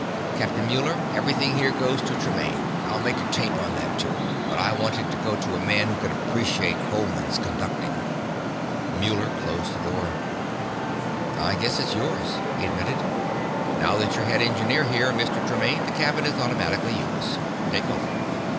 "Captain Muller, everything here goes to Tremaine. I'll make a tape on that, too. But I want it to go to a man who can appreciate Hohmann's conducting." Muller closed the door. "I guess it's yours," he admitted. "Now that you're head engineer here, Mr. Tremaine, the cabin is automatically yours. Take over.